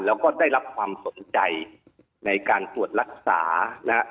แล้วก็ได้รับความสนใจในการตรวจรักษานะฮะ